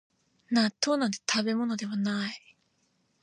納豆なんて食べ物ではない